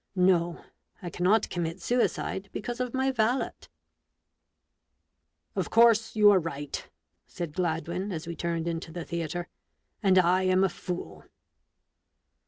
No; I cannot commit suicide, because of my valet." " Of course you are right," said Gladwin, as we turned into the theatre ;" and I am a fool